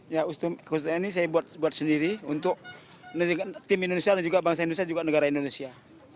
ya khususnya ini saya buat sendiri untuk tim indonesia dan juga bangsa indonesia juga negara indonesia